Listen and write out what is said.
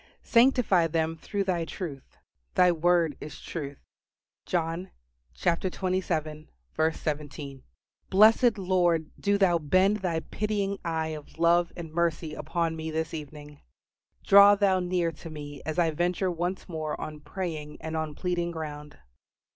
"Sanctify them through Thy truth: Thy word is truth." John xvii. 17. Blessed Lord, do Thou bend Thy pitying eye of love and mercy upon me this evening. Draw Thou near to me as I venture once more on praying and on pleading ground.